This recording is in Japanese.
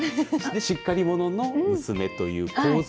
しっかり者の娘という構図。